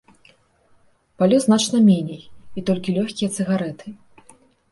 Палю значна меней і толькі лёгкія цыгарэты.